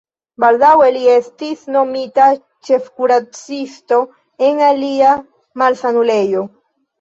Baldaŭe li estis nomita ĉefkuracisto en alia malsanulejo.